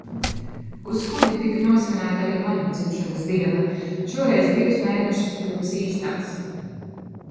Uz kuģa tika nosvinēta arī mana dzimšanas diena, šoreiz divus mēnešus pirms īstās.